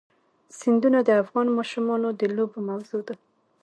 سیندونه د افغان ماشومانو د لوبو موضوع ده.